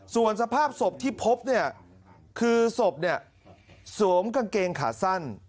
ส่วนสภาพสบที่พบนี่คือสบสวมกางเกงขาสั้น